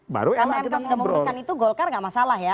kalau mk sudah memutuskan itu golkar gak masalah ya